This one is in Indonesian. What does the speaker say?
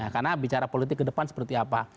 karena bicara politik ke depan seperti apa